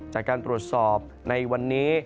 จากการตรวจสอบในวันนี้